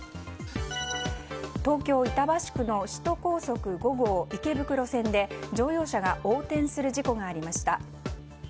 東京・板橋区の首都高速５号池袋線で乗用車が横転する事故がありました。